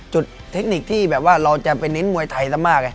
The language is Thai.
จุดเทคนิคที่เราจะไปเน้นมวยไทยซะมาก